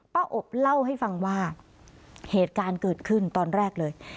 อบเล่าให้ฟังว่าเหตุการณ์เกิดขึ้นตอนแรกเลย